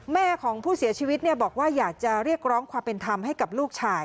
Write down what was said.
แม่ของผู้เสียชีวิตบอกว่าอยากจะเรียกร้องความเป็นธรรมให้กับลูกชาย